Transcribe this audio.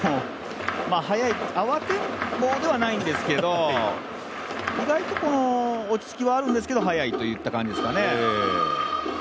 慌てんぼうではないんですけど、意外と落ち着きはあるんですけど、早いといった感じですかね。